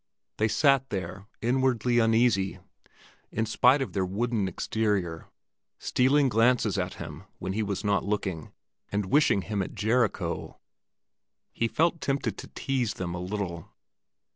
They sat there inwardly uneasy in spite of their wooden exterior, stealing glances at him when he was not looking, and wishing him at Jericho. He felt tempted to tease them a little.